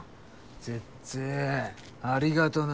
絶弐ありがとな。